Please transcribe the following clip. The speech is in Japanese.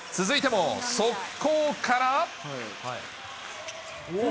続いても、速攻から。